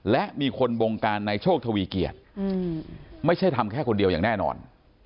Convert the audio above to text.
และมีคนบงการในโชคทวีเกียจไม่ใช่ทำแค่คนเดียวอย่างแน่นอน